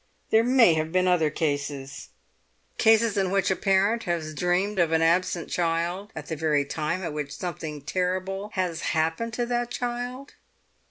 There may have been other cases." "Cases in which a parent has dreamt of an absent child, at the very time at which something terrible has happened to that child?"